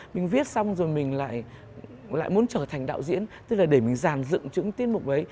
mình viết xong rồi mình lại muốn trở thành đạo diễn tức là để mình giản dựng chứng tiết một bấy